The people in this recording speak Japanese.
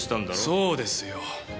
そうですよ。